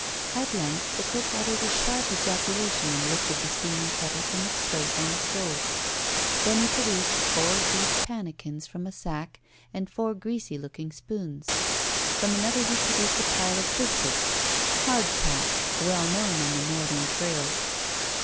At length the cook uttered a sharp ejaculation and lifted the steaming kettle from its place on the stove. Then he produced four deep pannikins from a sack, and four greasy looking spoons. From another he produced a pile of biscuits. "Hard tack," well known on the northern trails.